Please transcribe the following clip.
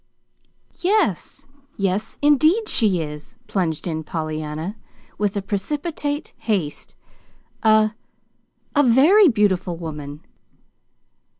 "Yes yes, indeed she is," plunged in Pollyanna, with precipitate haste; "a a very beautiful woman."